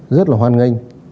rất là hoan nghênh